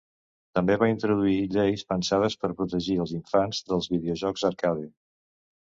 També va introduir lleis pensades per protegir els infants dels videojocs arcade.